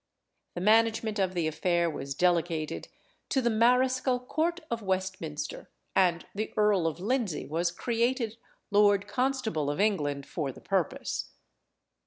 The management of the affair was delegated to the Marischal Court of Westminster, and the Earl of Lindsay was created Lord Constable of England for the purpose.